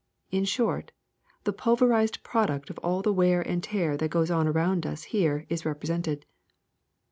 In short, the pulverized product of all the wear and tear that goes on around us is here represented.